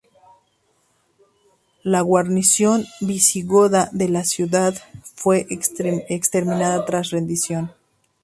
La guarnición visigoda de la ciudad fue exterminada tras la rendición.